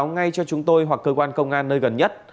hãy báo ngay cho chúng tôi hoặc cơ quan công an nơi gần nhất